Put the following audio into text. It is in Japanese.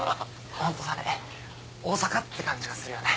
ホントだね大阪って感じがするよね。